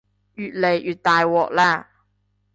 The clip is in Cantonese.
越嚟越大鑊喇